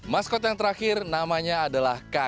maskot yang terakhir namanya adalah k